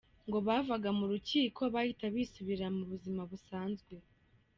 Ngo bavaga mu rukiko bahita bisubirira mu buzima busanzwe.